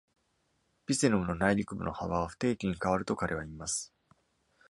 Picenum の内陸部の幅は不定期に変わると、彼は言います。